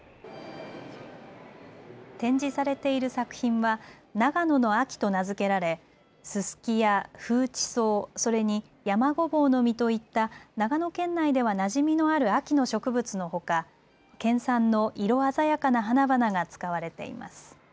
展示されている作品は長野の秋と名付けられススキや風知草、それにヤマゴボウの実といった長野県内ではなじみのある秋の植物のほか県産の色鮮やかな花々が使われています。